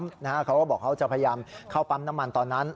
เขาก็บอกเขาจะพยายามเข้าปั๊มน้ำมันตอนนั้น